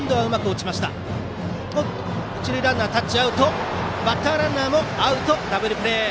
一塁ランナー、タッチアウトでバッターランナーもアウトダブルプレー。